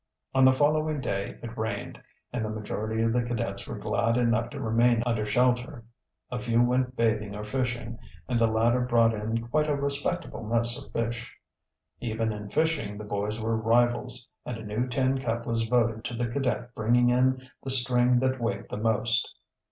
On the following day it rained and the majority of the cadets were glad enough to remain under shelter. A few went bathing or fishing and the latter brought in quite a respectable mess of fish. Even in fishing the boys were rivals and a new tin cup was voted to the cadet bringing in the string that weighed the most.